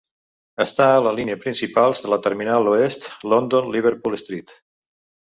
Està a la línia principals de la terminal oest, London Liverpool Street.